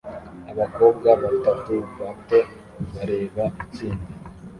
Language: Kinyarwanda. Abakobwa batatu bato bareba itsinda